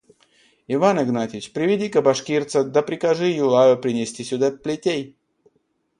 Иван Игнатьич, приведи-ка башкирца да прикажи Юлаю принести сюда плетей.